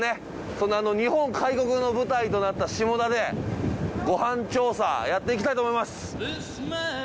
そんな日本開国の舞台となった下田でご飯調査やっていきたいと思います。